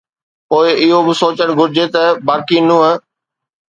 پوءِ اهو به سوچڻ گهرجي ته باقي ننهن